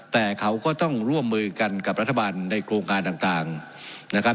แต่เขาก็ต้องร่วมมือกันกับรัฐบาลในโครงการต่างนะครับ